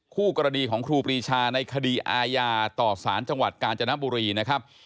คู่กรณีของครูปรีชาในคดีอาญาต่อสารจังหวัดกาญจนบุรีนะครับ